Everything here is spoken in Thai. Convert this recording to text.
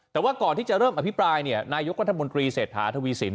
แต่ว่าก่อนที่จะเริ่มอภิปรายเนี่ยนายกรัฐมนตรีเศรษฐาทวีสิน